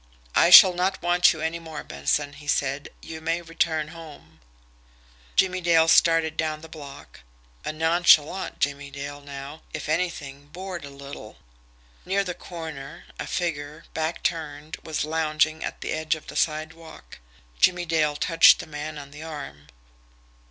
"I shall not want you any more, Benson," he said. "You may return home." Jimmie Dale started down the block a nonchalant Jimmie Dale now, if anything, bored a little. Near the corner, a figure, back turned, was lounging at the edge of the sidewalk. Jimmie Dale touched the man on the arm.